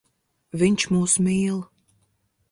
Viņš mūs mīl.